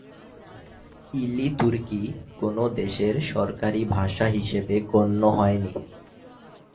ইলি তুর্কি কোন দেশের সরকারী ভাষা হিসাবে গণ্য হয়নি।